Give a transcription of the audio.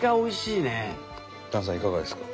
いかがですか？